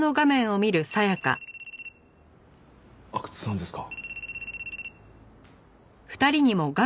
阿久津さんですか？